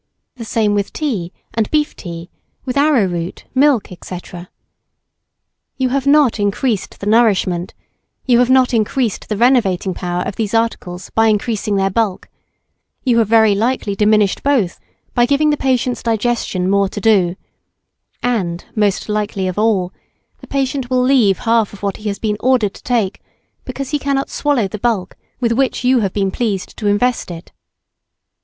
The same with tea and beef tea, with arrowroot, milk, &c. You have not increased the nourishment, you have not increased the renovating power of these articles, by increasing their bulk, you have very likely diminished both by giving the patient's digestion more to do, and most likely of all, the patient will leave half of what he has been ordered to take, because he cannot swallow the bulk with which you have been pleased to invest it.